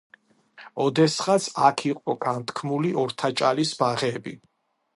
ოდესღაც აქ იყო განთქმული ორთაჭალის ბაღები.